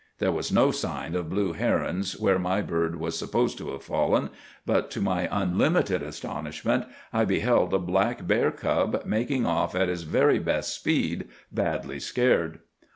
There was no sign of blue herons where my bird was supposed to have fallen; but to my unlimited astonishment I beheld a black bear cub making off at his very best speed, badly scared.